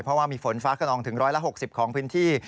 เพราะว่ามีฝนฟ้าขนองถึง๑๖๐ของพื้นที่